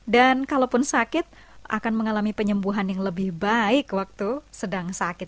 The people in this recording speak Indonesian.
dan kalaupun sakit akan mengalami penyembuhan yang lebih baik waktu sedang sakit